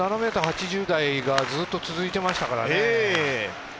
７ｍ８０台がずっと続いていましたからね。